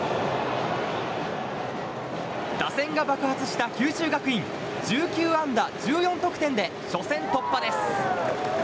打線が爆発した九州学院１９安打１４得点で初戦突破です。